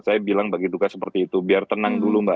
saya bilang bagi duka seperti itu biar tenang dulu mbak